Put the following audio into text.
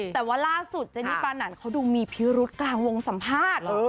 แต่ว่าล่าสุดเจนี่ปานันเขาดูมีพิรุษกลางวงสัมภาษณ์